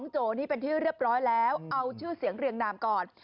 โจนี่เป็นที่เรียบร้อยแล้วเอาชื่อเสียงเรียงนามก่อน